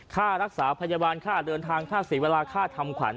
ค่ารักษาพยาบาลค่าเดินทางค่าเสียเวลาค่าทำขวัญ